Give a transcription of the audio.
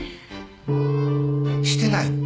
してないの？